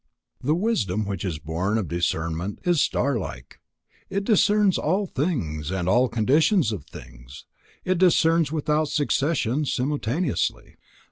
The wisdom which is born of discernment is starlike; it discerns all things, and all conditions of things, it discerns without succession: simultaneously.